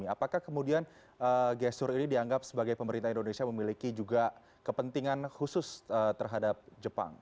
apakah kemudian gestur ini dianggap sebagai pemerintah indonesia memiliki juga kepentingan khusus terhadap jepang